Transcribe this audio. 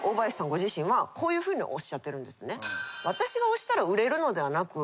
ご自身はこういうふうにおっしゃってるんですね。